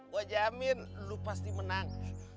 gue jamin lo pasti menang